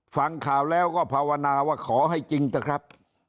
ฟังข่าวแล้วก็ภาวนาว่าขอให้จริงเถอะครับ